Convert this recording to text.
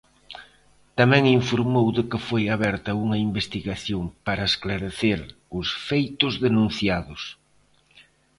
Tamén informou de que foi aberta unha investigación para esclarecer os feitos denunciados.